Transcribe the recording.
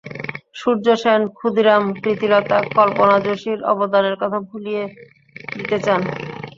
সূর্য সেন, ক্ষুদিরাম, প্রীতিলতা, কল্পনা যোশীর অবদানের কথা ভুলিয়ে দিতে চান।